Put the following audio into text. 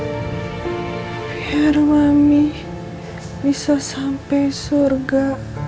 biar mami bisa sampai surga